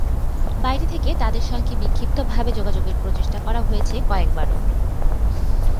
বাইরে থেকে তাদের সঙ্গে বিক্ষিপ্তভাবে যোগাযোগের প্রচেষ্টা করা হয়েছে কয়েকবারও।